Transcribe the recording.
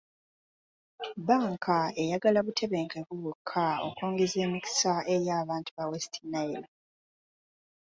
Bbanka eyagala butebenkevu bwokka okwongeza emikisa eri abantu ba West Nile .